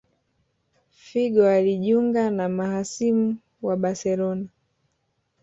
Figo alijunga na mahasimu wa Barcelona